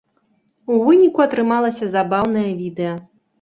У выніку атрымалася забаўнае відэа.